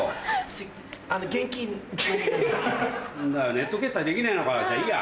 ネット決済できねえのかよ